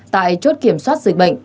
tại chốt kiểm soát dịch bệnh